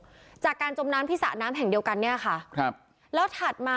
อายุ๖ขวบซึ่งตอนนั้นเนี่ยเป็นพี่ชายมารอเอาน้องชายไปอยู่ด้วยหรือเปล่าเพราะว่าสองคนนี้เขารักกันมาก